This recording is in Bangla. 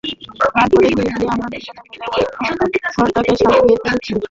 তার পরে দিনে দিনে আমরা দুজনে মিলে ঐ ঘরটাকে সাজিয়ে তুলেছি।